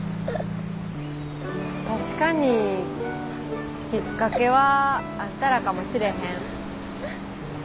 確かにきっかけはあんたらかもしれへん。